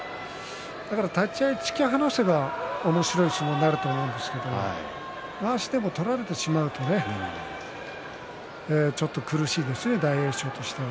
立ち合い突き放せばおもしろい相撲になると思うんですけどまわしでも取られてしまうとねちょっと苦しいですね大栄翔としては。